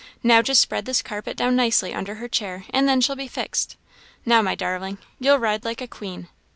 Now, just spread this carpet down nicely under her chair; and then she'll be fixed. Now, my darling, you'll ride like a queen.